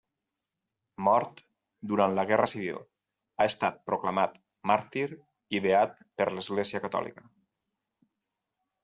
Mort durant la Guerra Civil, ha estat proclamat màrtir i beat per l'Església catòlica.